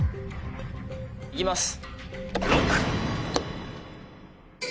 行きます！